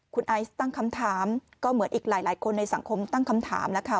คุณไอซ์ตั้งคำถามก็เหมือนอีกหลายคนในสังคมตั้งคำถามแล้วค่ะ